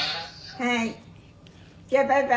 「はい」